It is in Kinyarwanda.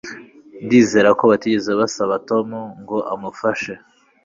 Ndizera ko batigeze basaba Tom ngo amufashe